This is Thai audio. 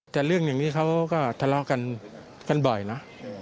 แต่เรื่องอย่างนี้เขาก็ทะเลาะกันบ่อยนะ